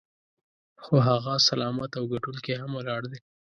خو هغه سلامت او ګټونکی هم ولاړ دی.